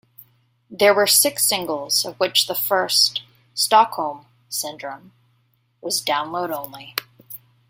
There were six singles, of which the first, "Stockholm Syndrome", was download only.